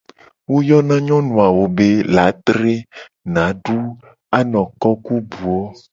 Wo yona nyonu awo be : latre, nadu, anoko, ku buwo.